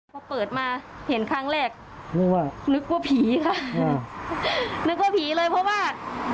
พอเปิดมาเห็นครั้งแรกนึกว่าผีค่ะนึกว่าผีเลยเพราะว่า